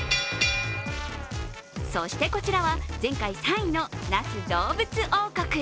そして、こちらは前回３位の那須どうぶつ王国。